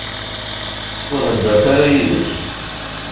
Ur heddṛet ara yid-s.